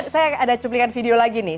saya ada cuplikan video lagi nih